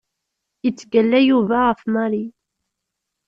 Yettgalla Yuba ɣef Mary.